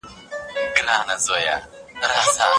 کاساني رحمه الله د دي مسئلې بيان کړی دی.